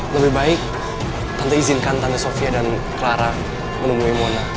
lebih baik tentu izinkan tante sofia dan clara menemui mona